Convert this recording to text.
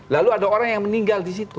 lalu ada orang yang meninggal disitu